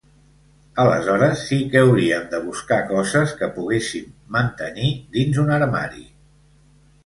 Aleshores, sí que hauríem de buscar coses que poguéssim mantenir dins un armari.